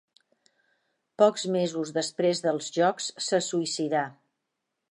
Pocs mesos després dels Jocs se suïcidà.